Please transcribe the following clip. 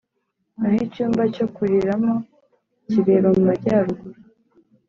Naho icyumba cyo kuriramo kireba mu majyaruguru